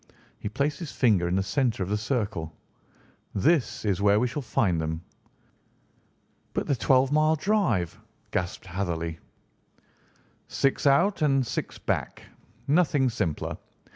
He placed his finger in the centre of the circle. "This is where we shall find them." "But the twelve mile drive?" gasped Hatherley. "Six out and six back. Nothing simpler.